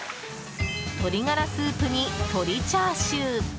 鶏ガラスープに鶏チャーシュー！